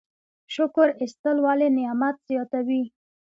شکر ایستل ولې نعمت زیاتوي؟